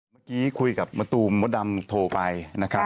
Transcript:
เมื่อกี้คุยกับมะตูมมดดำโทรไปนะครับ